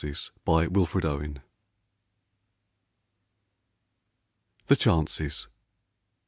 63 WILFRED OWEN. THE CHANCES.